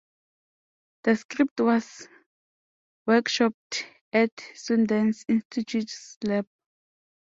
The script was workshopped at Sundance Institute's lab.